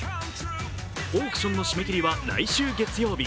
オークションの締め切りは来週月曜日。